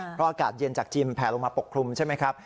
เพราะอากาศเย็นจากจีนแผลลงมาปกคลุมใช่ไหมครับ